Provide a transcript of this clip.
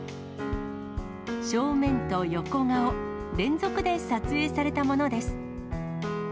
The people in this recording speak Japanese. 正面と横顔、連続で撮影されたものです。